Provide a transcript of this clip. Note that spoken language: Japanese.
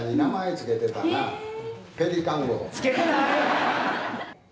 付けてない！